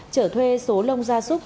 chở thuê số lông gia súc